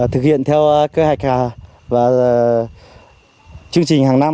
thực hiện theo cơ hạch và chương trình hàng năm